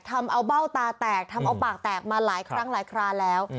ทำเอาเบ้าตาแตกทำเอาปากแตกมาหลายครั้งหลายคราแล้ว